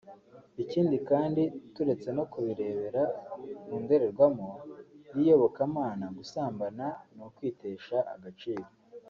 Ikindi kandi turetse no Kubirebera mu ndorerwamo y’iyobokamana gusambana ni ukwitesha agaciro